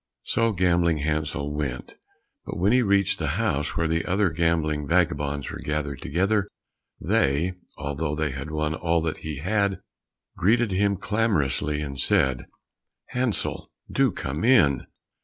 So Gambling Hansel went, but when he reached the house where the other gambling vagabonds were gathered together, they, although they had won all that he had, greeted him clamorously, and said, "Hansel, do come in."